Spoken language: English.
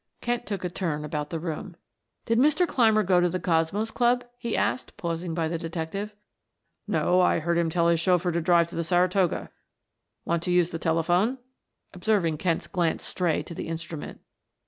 Kent took a turn about the room. "Did Mr. Clymer go to the Cosmos Club?" he asked, pausing by the detective. "No, I heard him tell his chauffeur to drive to the Saratoga. Want to use the telephone?" observing Kent's glance stray to the instrument.